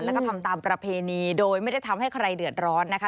แล้วก็ทำตามประเพณีโดยไม่ได้ทำให้ใครเดือดร้อนนะคะ